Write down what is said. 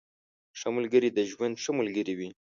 ښه ملګري د ژوند ښه ملګري وي.